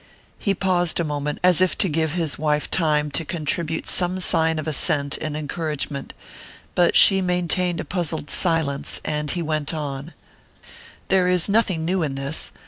He paused a moment, as if to give his wife time to contribute some sign of assent and encouragement; but she maintained a puzzled silence and he went on: "There is nothing new in this.